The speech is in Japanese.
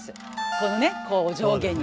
このね上下に。